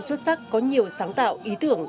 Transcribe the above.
xuất sắc có nhiều sáng tạo ý tưởng